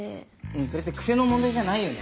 それって癖の問題じゃないよね？